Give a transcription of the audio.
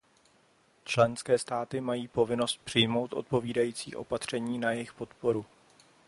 Členské státy mají povinnost přijmout odpovídající opatření na jejich podporu.